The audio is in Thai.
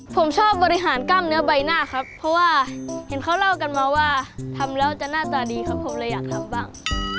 ผมชอบบริหารกล้ามเนื้อใบหน้าครับเพราะว่าเห็นเขาเล่ากันมาว่าทำแล้วจะหน้าตาดีครับผมเลยอยากทำบ้าง